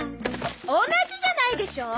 お同じじゃないでしょ。